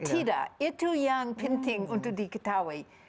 tidak itu yang penting untuk diketahui